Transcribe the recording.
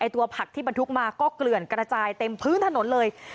ตัวผักที่บรรทุกมาก็เกลื่อนกระจายเต็มพื้นถนนเลย